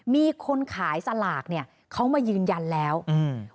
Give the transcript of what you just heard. มีคนขายสลากเนี้ยเขามายืนยันแล้วอืม